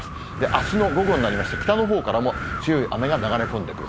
あすの午後になりまして、北のほうからも強い雨が流れ込んでくる。